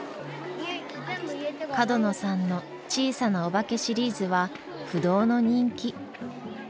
角野さんの「小さなおばけ」シリーズは不動の人気。